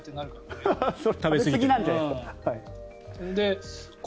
それは食べすぎなんじゃないですか。